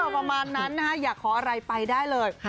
ประมาณนั้นอยากขออะไรไปได้เลย